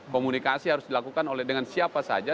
komunikasi harus dilakukan dengan siapa saja